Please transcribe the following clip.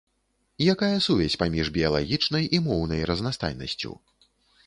Якая сувязь паміж біялагічнай і моўнай разнастайнасцю?